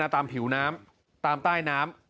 ผิวน้ำตามใต้น้ำ